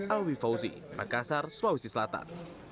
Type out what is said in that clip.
alwi fauzi makassar sulawesi selatan